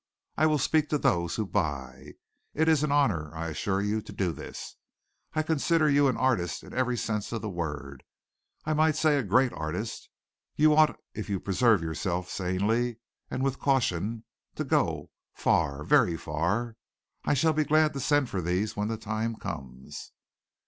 I will speak to those who buy. It is an honor, I assure you, to do this. I consider you an artist in every sense of the word I might say a great artist. You ought, if you preserve yourself sanely and with caution, to go far, very far. I shall be glad to send for these when the time comes."